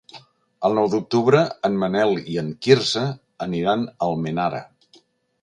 El nou d'octubre en Manel i en Quirze aniran a Almenara.